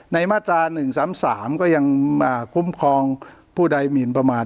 ในมาตราหนึ่งสามสามก็ยังอ่าคุ้มคลองผู้ใดหมีนประมาท